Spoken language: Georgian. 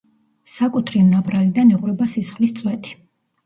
საკუთრივ ნაპრალიდან იღვრება სისხლის წვეთი.